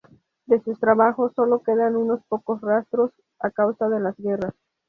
De sus trabajos, sólo quedan unos pocos rastros, a causa de las guerras.